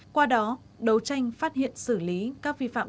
qua đó đấu tranh phát hiện xử lý các vi phạm